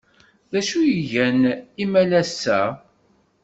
D acu ay gan imalas-a?